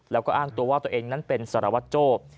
แล้วก็อ้างตัวว่าตัวเองนั้นเป็นสารวัตรโจ้